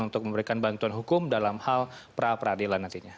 untuk memberikan bantuan hukum dalam hal pra peradilan nantinya